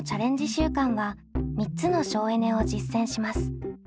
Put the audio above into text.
週間は３つの省エネを実践します。